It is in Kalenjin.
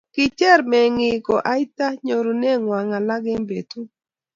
kicher meng'ik ko aita nyoruneng'wany alak eng' betu